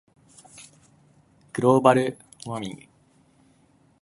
global warming